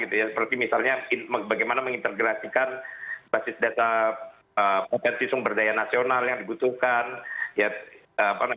seperti misalnya bagaimana mengintegrasikan basis data potensi sumber daya nasional yang dibutuhkan